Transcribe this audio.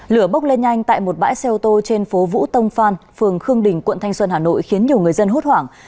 lửa bốc lên nhanh tại một bãi xe ô tô trên phố vũ tông phan phường khương đình quận thanh xuân hà nội khiến nhiều người dân hốt hoảng